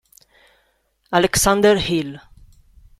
Alexander Hill